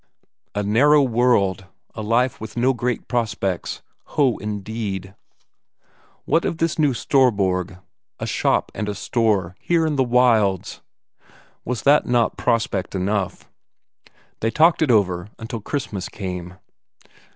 A narrow world, a life with no great prospects? Ho, indeed! What of this new Storborg, a shop and a store here in the wilds was not that prospect enough? They talked it over until Christmas came....